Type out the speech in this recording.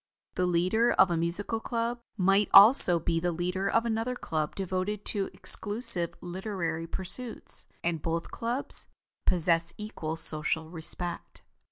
The leader of a musical club might also be the leader of another club devoted to exclusive literary pursuits; and both clubs possess equal social respect.